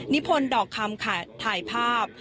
พนธ์ดอกคำค่ะถ่ายภาพ